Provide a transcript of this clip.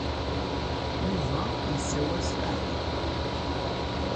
Yuba yessawal s leɛqel.